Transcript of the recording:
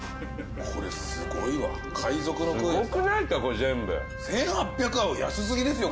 これすごいわ海賊の食うやつだすごくないですかこれ全部１８００は安すぎですよ